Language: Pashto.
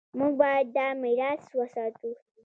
موږ باید دا میراث وساتو.